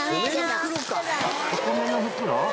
お米の袋？